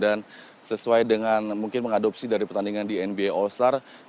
dan sesuai dengan mungkin mengadopsi dari pertandingan di nba all star